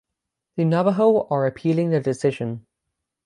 The Navajo are appealing the decision.